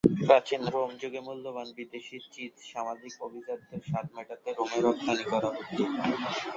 প্রাচীন রোম যুগে, মূল্যবান বিদেশি চিজ সামাজিক অভিজাতদের স্বাদ মেটাতে রোমে রপ্তানি করা হতে।